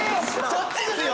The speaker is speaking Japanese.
そっちですよ！